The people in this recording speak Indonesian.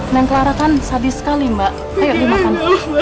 neng clara kan sadis sekali mbak ayo dimakan